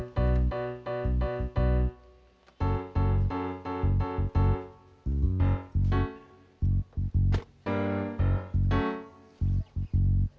dan akhirnya dia datang ke rumah